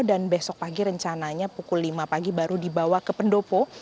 dan besok pagi rencananya pukul lima pagi baru dibawa ke pendopo